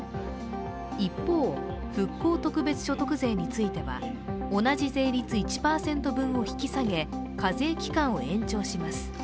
一方、復興特別所得税については同じ税率１％分を引き下げ課税期間を延長します。